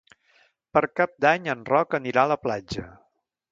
Per Cap d'Any en Roc anirà a la platja.